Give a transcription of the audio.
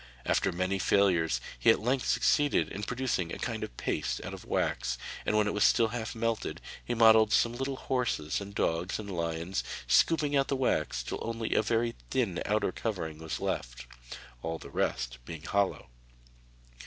After many failures he at length succeeded in producing a kind of paste out of wax, and while it was still half melted he modelled some little horses and dogs and lions, scooping out the wax till only a very thin outer covering was left, all the rest being hollow.